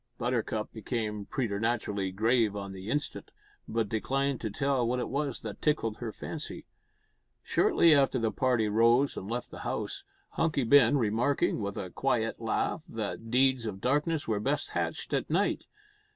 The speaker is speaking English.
Buttercup became preternaturally grave on the instant, but declined to tell what it was that tickled her fancy. Shortly after the party rose and left the house, Hunky Ben remarking, with a quiet laugh, that deeds of darkness were best hatched at night.